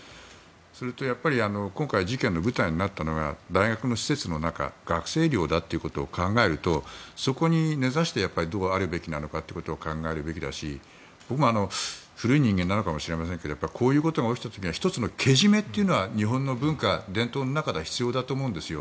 それと、今回事件の舞台になったのは大学の施設の中学生寮だということを考えるとそこに根差してどうあるべきなのかというのを考えるべきだし僕は古い人間なのかもしれませんけどこういうことが起きた時の１つのけじめというのは日本の文化、伝統の中では必要だと思うんですよ。